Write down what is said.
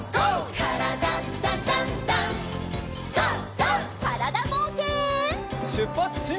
からだぼうけん。